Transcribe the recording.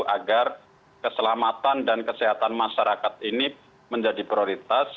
agar keselamatan dan kesehatan masyarakat ini menjadi prioritas